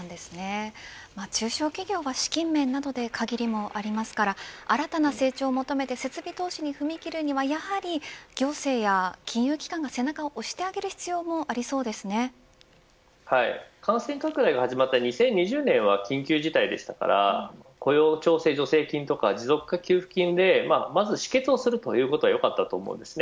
中小企業が資金面などで限りもありますから新たな成長を求めて設備投資に踏み切るには、やはり行政や金融機関が背中を押してあげる必要も感染拡大が始まった２０２０年は緊急事態でしたので雇用調整助成金や持続化給付金でまず止血をするということはよかったんです。